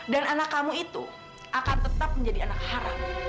dan anak kamu itu akan tetap menjadi anak haram